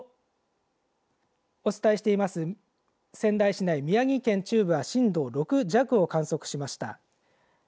お伝えしています仙台市内、宮城県中部は震度６弱を観測しました。